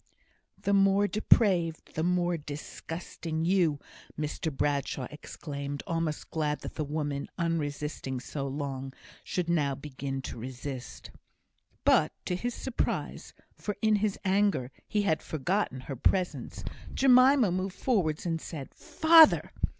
"The more depraved, the more disgusting you," Mr Bradshaw exclaimed, almost glad that the woman, unresisting so long, should now begin to resist. But to his surprise (for in his anger he had forgotten her presence) Jemima moved forwards, and said, "Father!"